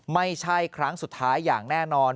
ไม่ใช่ครั้งสุดท้ายอย่างแน่นอน